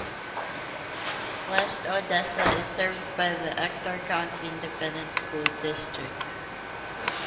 West Odessa is served by the Ector County Independent School District.